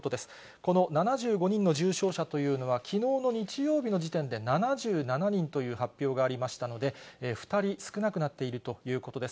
この７５人の重症者というのは、きのうの日曜日の時点で７７人という発表がありましたので、２人少なくなっているということです。